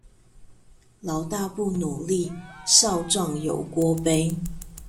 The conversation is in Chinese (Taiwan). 老大不努力，少壯有鍋背